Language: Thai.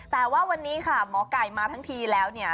แต่ว่าวันนี้ค่ะหมอไก่มาทั้งทีแล้วเนี่ย